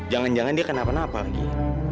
jangan jangan dia kenapa napa lagi